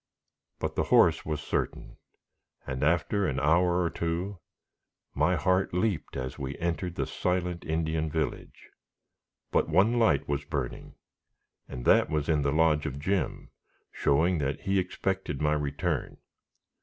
But the horse was certain; and, after an hour or two, my heart leaped, as we entered the silent Indian village. But one light was burning, and that was in the lodge of Jim, showing that he expected my return.